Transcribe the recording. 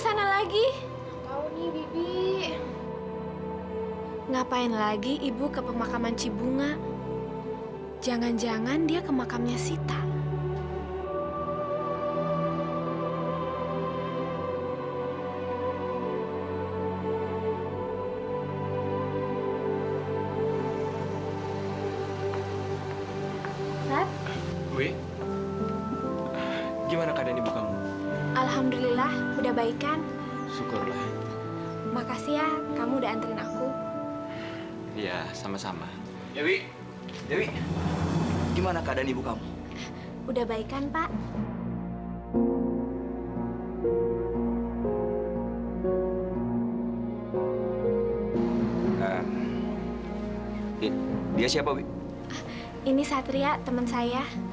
sampai jumpa di video selanjutnya